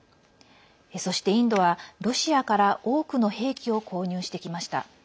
そしてインドは、ロシアから多くの兵器を購入してきました。